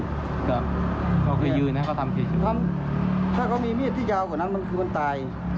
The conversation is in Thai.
ถ้าตามเจ้าถ้ามีมีดที่ยาวกว่านั้นมันตาย